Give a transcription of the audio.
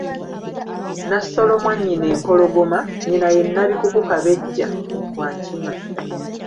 Nassolo Mwannyinempologoma, nnyina ye Nabikuku Kabejja wa Nkima.